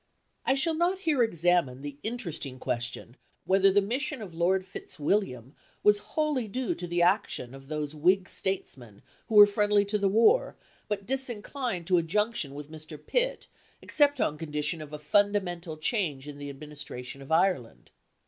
I shall not here examine the interesting question, whether the mission of Lord Fitzwilliam was wholly due to the action of those Whig statesmen who were friendly to the war, but disinclined to a junction with Mr. Pitt except on condition of a fundamental change in the administration of Ireland.